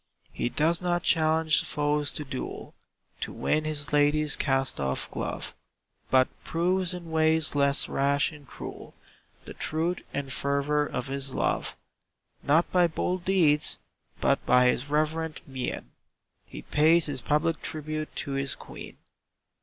He does not challenge foes to duel, To win his lady's cast off glove, But proves in ways less rash and cruel, The truth and fervor of his love. Not by bold deeds, but by his reverent mien, He pays his public tribute to his Queen.